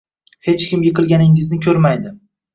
Hech kim yiqilganingizni ko’rmaydi